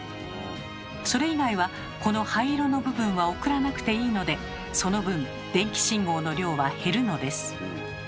それ以外はこの灰色の部分は送らなくていいのでその分電気信号の量は減るのです。